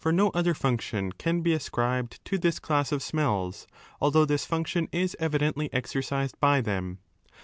^ For no other function can be ascribed to this class of smells, although this function is evidently 17 exercised by them.